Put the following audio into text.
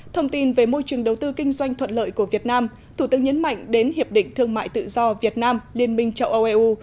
thông tin về môi trường đầu tư kinh doanh thuận lợi của việt nam thủ tướng nhấn mạnh đến hiệp định thương mại tự do việt nam liên minh châu âu eu